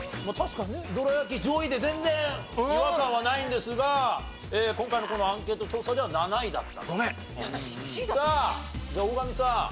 確かにねどら焼き上位で全然違和感はないんですが今回のこのアンケート調査では７位だった。ごめん！